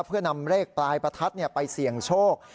เพื่อนำเลขปลายประทัดไปเสี่ยงโชค